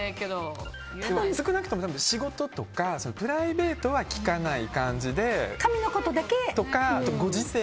少なくとも仕事とかプライベートは聞かない感じで髪のことだけとか。